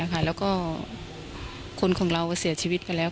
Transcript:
คนคุณของเราเสียชีวิตไปแล้ว